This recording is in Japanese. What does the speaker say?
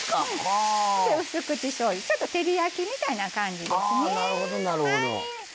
うす口しょうゆ照り焼きみたいな感じですね。